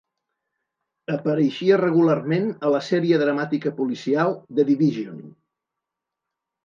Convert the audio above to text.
Apareixia regularment a la sèrie dramàtica policial "The division".